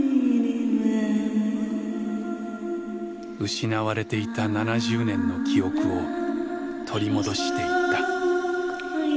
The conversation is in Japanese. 失われていた７０年の記憶を取り戻していった。